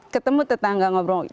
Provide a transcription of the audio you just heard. ketemu tetangga ngobrol